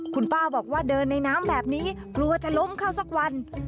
คุณป้าบอกว่าเดินในน้ำแบบนี้กลัวจะล้มเข้าสักวัน